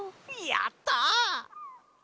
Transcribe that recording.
やった！